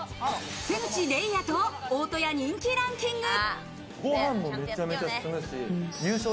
瀬口黎弥と大戸屋人気ランキング。